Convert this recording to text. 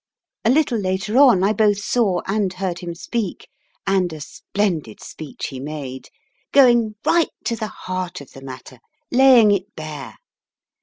A little later on I both saw and heard him speak and a splendid speech he made, going right to the heart of the matter, laying it bare.